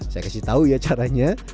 saya kasih tahu ya caranya